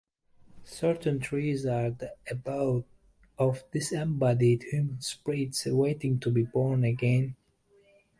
Certain trees are the abode of disembodied human spirits waiting to be born again.